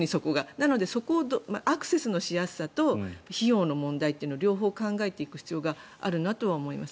なのでそこのアクセスのしやすさと費用の問題を両方考えていく必要があるなと思います。